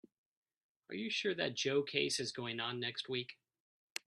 Are you sure that Joe case is going on next week?